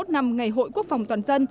ba mươi một năm ngày hội quốc phòng toàn gia